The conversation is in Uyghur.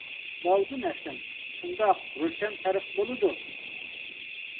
باۋۇدۇن ھەسەن: شۇنداق، روشەن پەرق بولىدۇ.